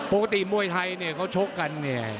ปกติมวยไทยเขาชกกัน